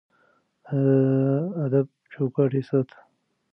د ادب چوکاټ يې ساته.